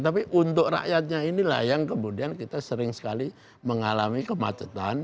tapi untuk rakyatnya inilah yang kemudian kita sering sekali mengalami kemacetan